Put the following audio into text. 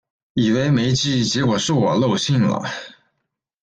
以为没寄，结果是我漏信了